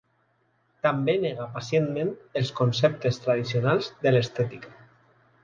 També nega pacientment els conceptes tradicionals de l'estètica.